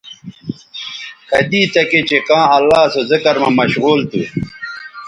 کدی تکےچہء کاں اللہ سو ذکر مہ مشغول تھو